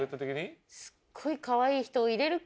すっごいかわいい人を入れるか。